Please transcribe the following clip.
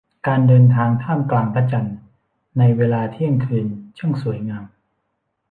การเดินท่ามกลางพระจันทร์ในเวลาเที่ยงคืนช่างสวยงาม